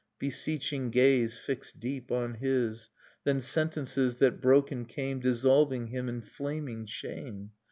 Beseeching gaze fixed deep on his; Then sentences that broken came Dissolving him in flaming shame